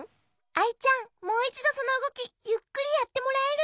アイちゃんもういちどそのうごきゆっくりやってもらえる？